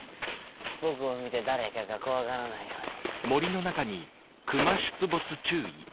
僕を見て誰かが怖がらないように。